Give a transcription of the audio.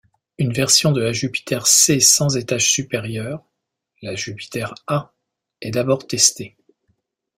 Une version de la Jupiter-C sans étages supérieurs, la Jupiter-A, est d'abord testée.